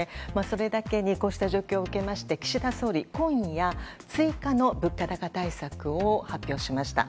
それだけにこうした状況を受けまして岸田総理、今夜追加の物価高対策を発表しました。